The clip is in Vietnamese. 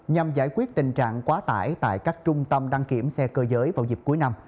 nhằm giải quyết tình trạng quá tải tại các trung tâm đăng kiểm xe cơ giới vào dịp cuối năm